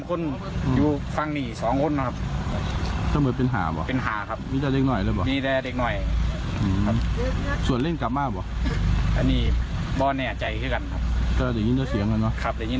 ก็จะยิ้มได้เสียงกันเนอะครับจะยิ้มได้เสียงกัน